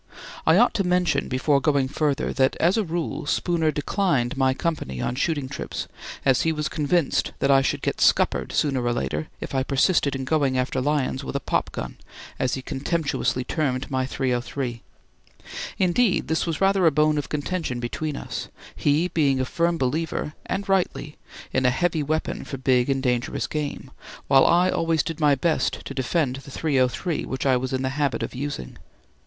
I ought to mention before going further that as a rule Spooner declined my company on shooting trips, as he was convinced that I should get "scuppered" sooner or later if I persisted in going after lions with a "popgun," as he contemptuously termed my .303. Indeed, this was rather a bone of contention between us, he being a firm believer (and rightly) in a heavy, weapon for big and dangerous game, while I always did my best to defend the .303 which I was in the habit of using.